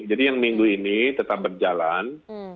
jadi yang minggu ini tetap berjalan